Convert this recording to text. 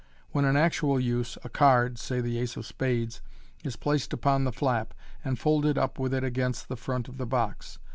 When in actual use, a card (say the ace of spades) i9 placed upon the flap, and folded up with it against the front of the box.